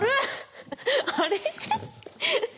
あれ？